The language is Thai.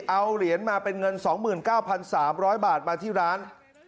เอาเหรียญมาเป็นเงิน๒๙๓๐๐บาทมาที่ร้าน